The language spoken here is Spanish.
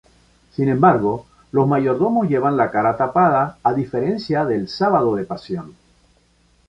Sin embargo, los mayordomos llevan la cara tapada a diferencia del Sábado de Pasión.